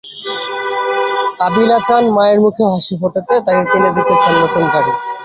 Avila চান মায়ের মুখেও হাসি ফোটাতে, তাঁকে কিনে দিতে চান নতুন বাড়ি।